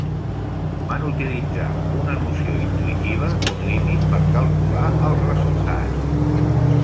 Van utilitzar una noció intuïtiva d'un límit per calcular els resultats.